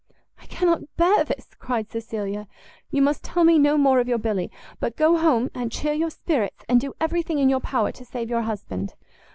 "I cannot bear this!" cried Cecilia; "you must tell me no more of your Billy; but go home, and chear your spirits, and do every thing in your power to save your husband."